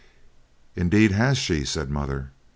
'Indeed, has she,' said mother.